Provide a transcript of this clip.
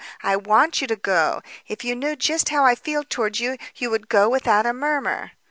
I want you to go. If you knew just how I feel toward you you would go without a murmur."